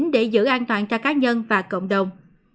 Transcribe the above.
để giữ an toàn cho cá nhân và cộng đồng